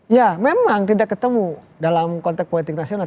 ya memang tidak ketemu dalam konteks politik nasional